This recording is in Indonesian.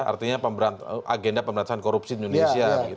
artinya agenda pemerintahan korupsi di indonesia